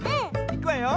いくわよ。